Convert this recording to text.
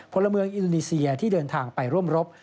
พลเมืองอินโดนีเซียที่เดินทางไปร่วมรบ